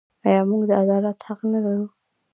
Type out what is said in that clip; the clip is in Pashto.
آیا موږ د عدالت حق نلرو؟